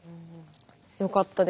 よかったです